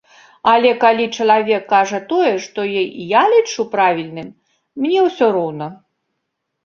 Але калі чалавек кажа тое, што і я лічу правільным, мне ўсё роўна.